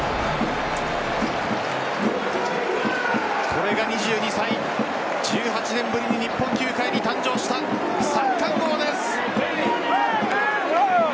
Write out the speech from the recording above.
これが２２歳１８年ぶりに日本球界に誕生した三冠王です。